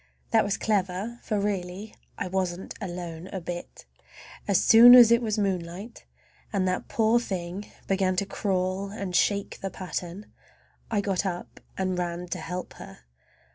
That was clever, for really I wasn't alone a bit! As soon as it was moonlight, and that poor thing began to crawl and shake the pattern, I got up and ran to help her.